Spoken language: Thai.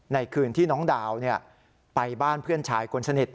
ในคืนที่น้องดาวไปบ้านเพื่อนชายคนสนิท